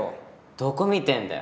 どこ見てんだよ。